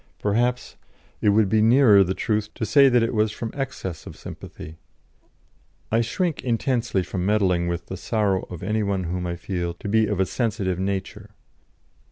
Perhaps it would be nearer the truth to say that it was from excess of sympathy. I shrink intensely from meddling with the sorrow of any one whom I feel to be of a sensitive nature.